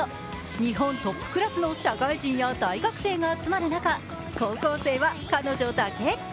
日本トップクラスの社会人や大学生が集まる中、高校生は彼女だけ。